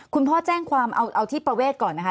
คุณพ่อแจ้งความเอาที่ประเวทก่อนนะคะ